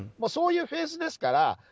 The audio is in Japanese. そういうフェーズですから。